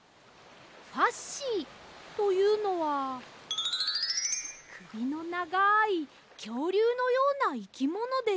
ファッシーというのはくびのながいきょうりゅうのようないきものです。